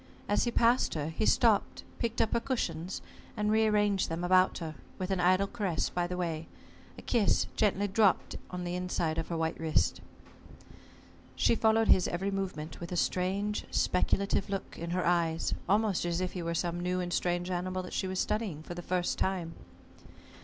As he passed her, he stopped, picked up her cushions, and re arranged them about her, with an idle caress by the way, a kiss gently dropped on the inside of her white wrist. She followed his every movement with a strange speculative look in her eyes, almost as if he were some new and strange animal that she was studying for the first time.